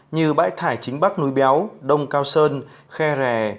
như bãi thải chính bắc núi béo đông cao sơn khe rè